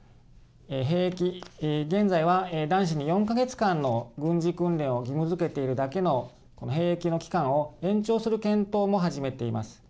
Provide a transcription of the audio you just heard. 兵役、現在は男子に４か月間の軍事訓練を義務づけているだけの兵役の期間を延長する検討も始めています。